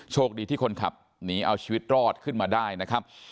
โชคดีที่คนขับหนีเอาชีวิตรอดขึ้นมาได้นะครับ